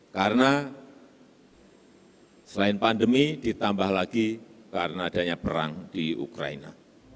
karena selain pandemi ditambah lagi karena adanya perang di ukraina